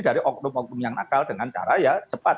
dari oknum oknum yang nakal dengan cara ya cepat